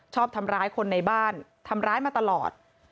ชอบทำร้ายคนในบ้านทำร้ายมาตลอด